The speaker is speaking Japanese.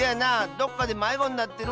どっかでまいごになってるわ。